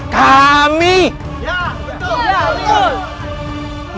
siapa yang menghukum